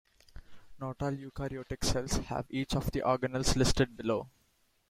Not all eukaryotic cells have each of the organelles listed below.